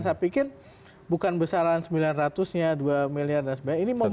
nah saya pikir bukan besaran rp sembilan ratus nya rp dua dan sebagainya